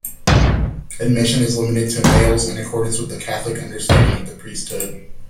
Admission is limited to males, in accordance with the Catholic understanding of the priesthood.